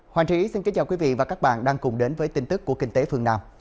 hoàng trí xin kính chào quý vị và các bạn đang cùng đến với tin tức của kinh tế phương nam